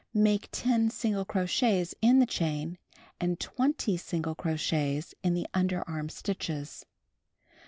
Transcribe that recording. Make 10 single crochets in the chain and 20 single crochets in the under arm stitches.